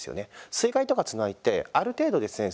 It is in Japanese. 水害とか津波ってある程度ですね